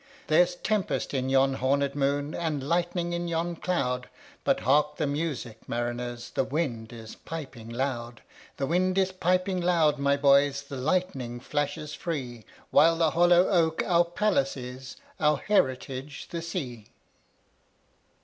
There's tempest in yon hornèd moon, And lightning in yon cloud:But hark the music, mariners! The wind is piping loud; The wind is piping loud, my boys, The lightning flashes free—While the hollow oak our palace is, Our heritage the sea.